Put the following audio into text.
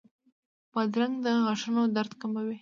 بادرنګ د غاښونو درد کموي.